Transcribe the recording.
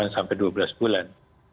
sampai dua belas bulan